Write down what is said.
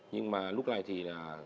nhưng mà lúc này thì là